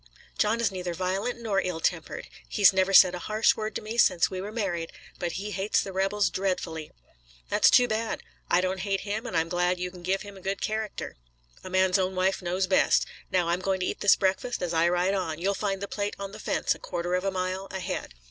"John is neither violent nor ill tempered. He's never said a harsh word to me since we were married. But he hates the rebels dreadfully." "That's too bad. I don't hate him and I'm glad you can give him a good character. A man's own wife knows best. Now, I'm going to eat this breakfast as I ride on. You'll find the plate on the fence a quarter of a mile ahead."